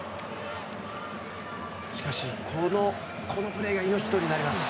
しかしこのプレーが命取りになります。